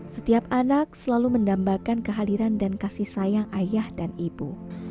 setiap anak selalu mendambakan kehadiran dan kasih sayang ayah dan ibu